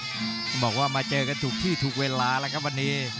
บอกว่ามาเจอกันถูกที่ถูกเวลาแล้วครับวันนี้